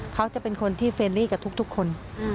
เขาจะเป็นคนที่เฟรลี่กับทุกคน